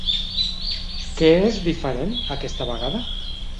Què és diferent, aquesta vegada?